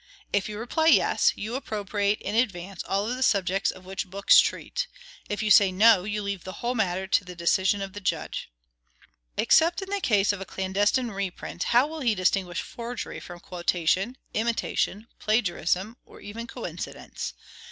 If you reply "Yes," you appropriate in advance all the subjects of which books treat; if you say "No," you leave the whole matter to the decision of the judge. Except in the case of a clandestine reprint, how will he distinguish forgery from quotation, imitation, plagiarism, or even coincidence?